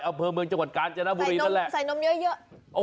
อำเภอเมืองจังหวัดกาญจนบุรีนั่นแหละใส่นมเยอะ